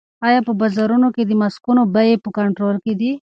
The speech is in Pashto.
آیا په بازارونو کې د ماسکونو بیې په کنټرول کې دي؟